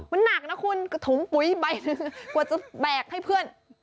มันหนักนะคุณถุงปุ๋ยใบหนึ่งกว่าจะแบกให้เพื่อน